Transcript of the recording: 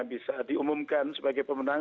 bisa diumumkan sebagai pemenang